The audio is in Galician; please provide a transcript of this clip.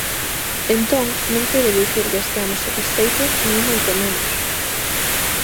Entón, non quere dicir que esteamos satisfeitos, nin moito menos.